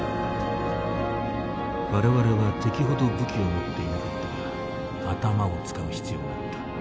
「我々は敵ほど武器を持っていなかったから頭を使う必要があった。